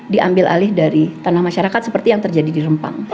diambil alih dari tanah masyarakat seperti yang terjadi di rempang